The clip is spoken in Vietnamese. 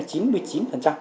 sĩ bác sĩ cho biết là